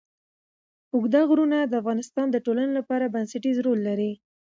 اوږده غرونه د افغانستان د ټولنې لپاره بنسټيز رول لري.